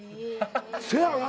せやろな。